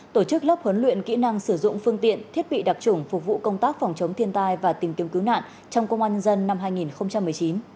tổ chức lớp huấn luyện kỹ năng sử dụng phương tiện thiết bị đặc trủng phục vụ công tác phòng chống thiên tai và tìm kiếm cứu nạn trong công an nhân dân năm hai nghìn một mươi chín